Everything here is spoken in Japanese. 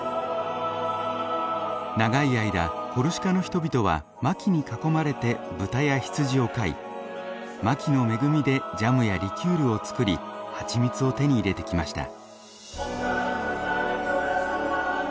長い間コルシカの人々はマキに囲まれて豚や羊を飼いマキの恵みでジャムやリキュールを作り蜂蜜を手に入れてきました。